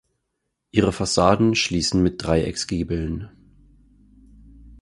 Ihre Fassaden schließen mit Dreiecksgiebeln.